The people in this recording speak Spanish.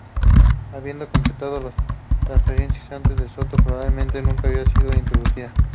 Habiendo completado la transferencia antes, DeSoto probablemente nunca hubiera sido introducida.